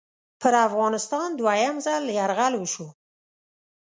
پر افغانستان دوهم ځل یرغل وشو.